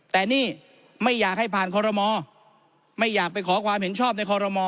แต่นี่ไม่อยากให้ผ่านคอรมอไม่อยากไปขอความเห็นชอบในคอรมอ